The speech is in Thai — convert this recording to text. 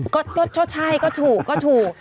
ก็ใช่ก็ถูกก็ถูก